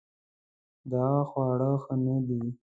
دا خواړه ښه نه دي